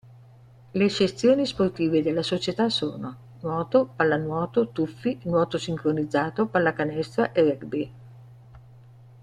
La sezioni sportive della società sono: nuoto, pallanuoto, tuffi, nuoto sincronizzato, pallacanestro e rugby.